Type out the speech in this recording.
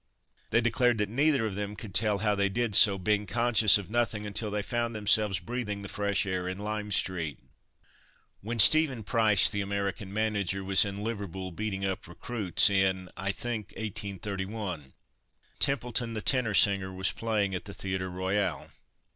They declared that neither of them could tell how they did so, being conscious of nothing until they found themselves breathing the fresh air in Lime street. When Stephen Price, the American manager, was in Liverpool beating up recruits, in, I think, 1831, Templeton, the tenor singer, was playing at the Theatre Royal.